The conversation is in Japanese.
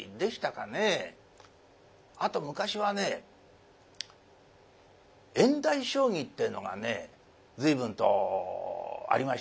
あと昔はね縁台将棋ってえのがね随分とありましたよ。